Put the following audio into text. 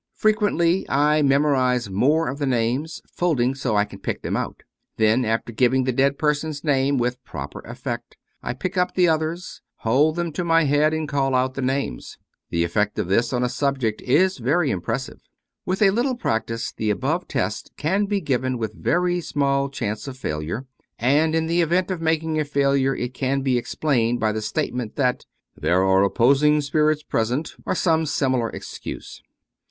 Frequently I mem orize more of the names, folding so I can pick them out. Then, after giving the dead person's name with proper effect, I pick up the others, hold them to my head and call out the names. The effect of this on a subject is very impressive. With a little practice the above test can be given with very small chance of failure ; and in the event of making a failure it can be explained by the statement that " there are opposing spirits present," or some similar excuse.